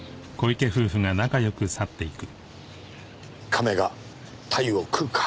亀が鯛を食うか。